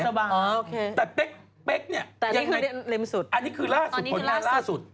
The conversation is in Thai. อันนี้คือผลงานล่าสุด